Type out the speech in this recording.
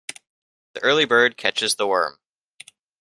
The early bird catches the worm.